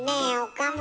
岡村。